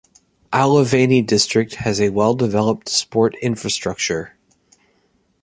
Ialoveni district has a well-developed sport infrastructure.